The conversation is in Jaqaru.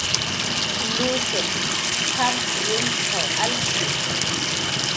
Lushiq janq' wincxw alki